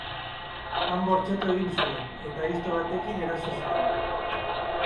Han bortxatu egin zuen, eta aizto batekin eraso zion.